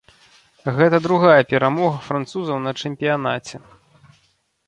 Гэта другая перамога французаў на чэмпіянаце.